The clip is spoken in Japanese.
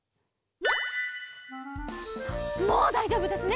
もうだいじょうぶですね？